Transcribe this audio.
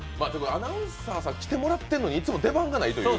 アナウンサーさん来てもらってるのにいつも出番がないという。